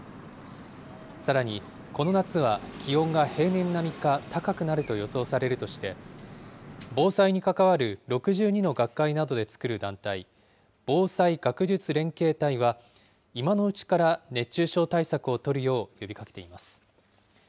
さらに、この夏は気温が平年並みか高くなると予想されるとして、防災に関わる６２の学会などで作る団体、防災学術連携体は、今のうちから熱中症対策を取るよう呼びかけています。